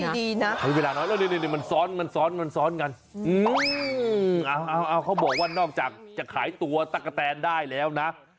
ดีนะมันซ้อนกันเขาบอกว่านอกจากจะขายตั๊กกะแทนได้แล้วนะ